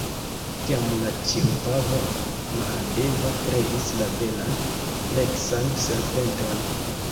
Tiam la ĉiopova Mahadeva kreis la belan, fleksan serpenton.